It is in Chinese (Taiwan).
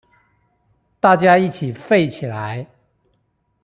大家一起廢起來